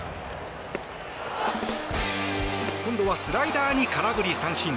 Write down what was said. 今度はスライダーに空振り三振。